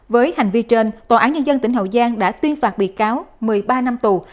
với hành vi trên tòa án nhân dân tỉnh hậu giang đã tuyên phạt bị cáo một mươi ba năm tù